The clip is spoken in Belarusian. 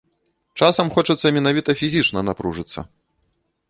Часам хочацца менавіта фізічна напружыцца.